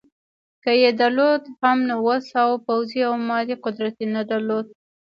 که یې درلود هم نو وس او پوځي او مالي قدرت یې نه درلود.